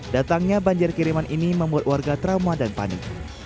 datangnya banjir kiriman ini membuat warga trauma dan panik